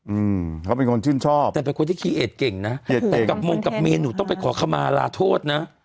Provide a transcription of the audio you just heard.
อืมเขาเป็นคนชื่นชอบแต่เป็นคนที่คีย์เอดเก่งนะแต่กับมงกับเมนหนูต้องไปขอคำมาลาโทษนะ